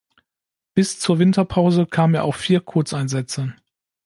Bis zur Winterpause kam er auf vier Kurzeinsätze.